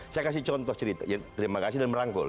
saya kasih contoh cerita ya terima kasih dan merangkul